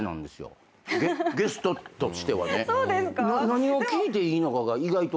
何を聞いていいのかが意外と分からない。